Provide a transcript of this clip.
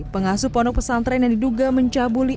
pengasuh pondok pesantren yang diduga mencabuli